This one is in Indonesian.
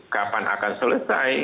kapan akan selesai